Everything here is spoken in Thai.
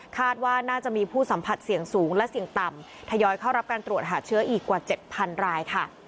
ว่าน่าจะมีผู้สัมผัสเสี่ยงสูงและเสี่ยงต่ำทยอยเข้ารับการตรวจหาเชื้ออีกกว่า๗๐๐รายค่ะ